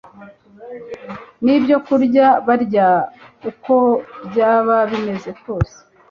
nibyokurya barya uko byaba bimeze kose